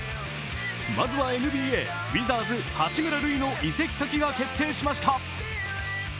まずはＮＢＡ、ウィザーズ・八村塁の移籍先が決定しました。